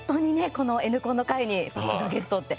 この「Ｎコン」の回にパックンがゲストって。